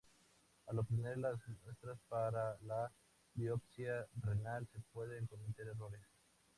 Al obtener las muestras para la biopsia renal se pueden cometer errores.